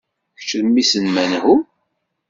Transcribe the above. Kečč d mmi-s n menhu?